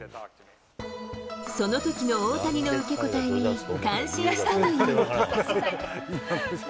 そのときの大谷の受け答えに、感心したという。